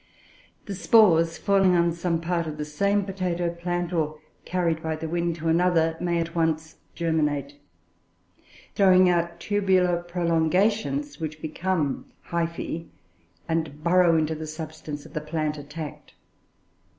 The spores falling on some part of the same potato plant, or carried by the wind to another, may at once germinate, throwing out tubular prolongations which become hyphoe, and burrow into the substance of the plant attacked.